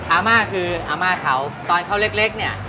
อาม่าคืออาม่าเขาตอนเขาเล็กเนี่ย